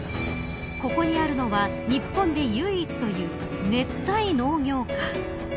ここにあるのは日本で唯一という熱帯農業科。